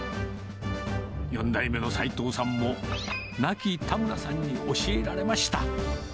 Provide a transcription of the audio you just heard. ４代目の齋藤さんも、亡き田村さんに教えられました。